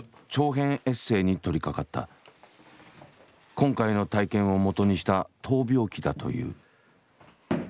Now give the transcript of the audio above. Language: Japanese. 今回の体験を基にした闘病記だという。